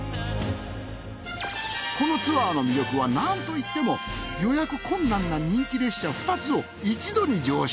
このツアーの魅力はなんといっても予約困難な人気列車２つを一度に乗車！